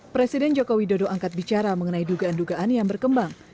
presiden jokowi dodo angkat bicara mengenai dugaan dugaan yang berkembang